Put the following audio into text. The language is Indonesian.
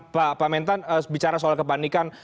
pak mentan bicara soal kepanikan